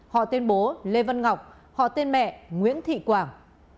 họ tên bố lê văn ngọc họ tên mẹ nguyễn thị quảng